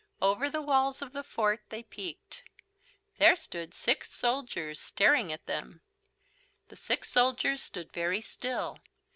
Over the walls of the fort they peeked. There stood six soldiers staring at them. The six soldiers stood very still.